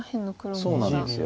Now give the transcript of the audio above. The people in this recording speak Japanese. そうなんです。